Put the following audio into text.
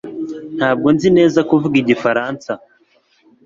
Ntabwo nzi neza kuvuga Igifaransa